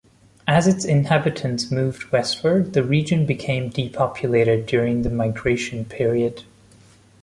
As its inhabitants moved westward, the region became depopulated during the Migration Period.